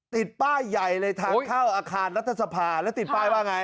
ติดป้ายใหญ่เลยทางเข้าอาคารรัฐสภาแล้วติดป้ายว่าไง